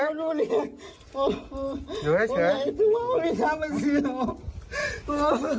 ผมไม่ได้คิดว่าคุณพ่อพ่อทำให้ดีหรอ